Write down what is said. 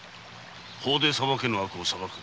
「法で裁けぬ悪を裁く」